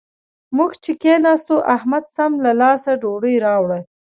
موږ چې کېناستو؛ احمد سم له لاسه ډوډۍ راوړه.